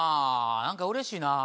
何かうれしいな。